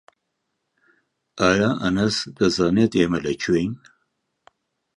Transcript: ئایا ئەنەس دەزانێت ئێمە لەکوێین؟